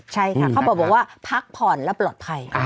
ใช่ค่ะเขาบอกว่าพักผ่อนและปลอดภัย